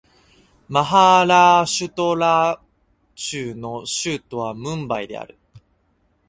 マハーラーシュトラ州の州都はムンバイである